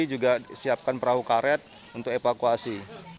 juga siapkan perahu karet untuk evakuasi